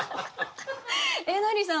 えなりさん